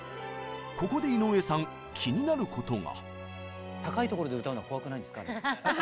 ここで井上さん気になることが。